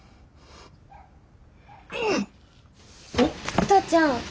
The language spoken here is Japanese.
お父ちゃん。